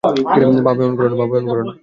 বাবা এমন করো না।